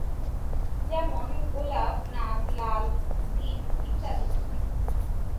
যেমনঃ গোলাপ, নাক, লাল, তিন, ইত্যাদি।